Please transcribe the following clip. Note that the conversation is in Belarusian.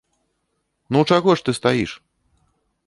Ну чаго ж ты стаіш?